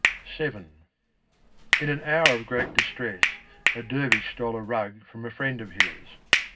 VII In an hour of great distress a dervish stole a rug from a friend of his.